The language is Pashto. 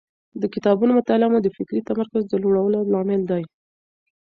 د کتابونو مطالعه مو د فکري تمرکز د لوړولو لامل دی.